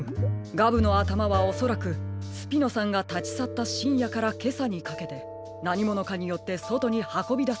ガブのあたまはおそらくスピノさんがたちさったしんやからけさにかけてなにものかによってそとにはこびだされたのでしょう。